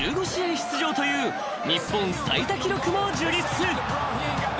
出場という日本最多記録も樹立］